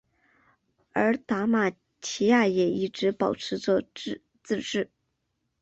而达尔马提亚也一直保持着自治。